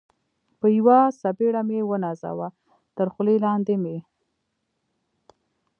په یوه څپېړه مې و نازاوه، تر خولۍ لاندې مې.